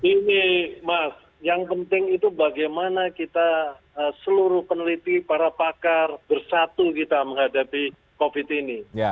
ini mas yang penting itu bagaimana kita seluruh peneliti para pakar bersatu kita menghadapi covid ini